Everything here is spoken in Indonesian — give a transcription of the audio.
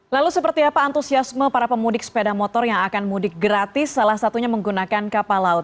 lalu seperti apa antusiasme para pemudik sepeda motor yang akan mudik gratis salah satunya menggunakan kapal laut